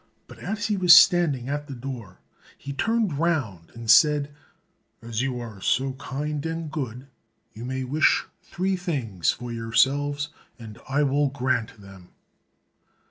But as he was standing at the door he turned round and said, "As you are so kind and good, you may wish three things for yourselves and I will grant them."